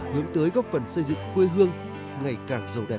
hướng tới góp phần xây dựng quê hương ngày càng giàu đẹp